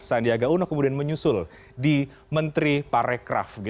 sandiaga uno kemudian menyusul di menteri parekraf